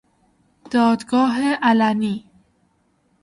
دادگاه علنی